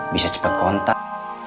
bisa cepet kontak